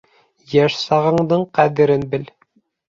Йәш сағыңдың ҡәҙерен бел.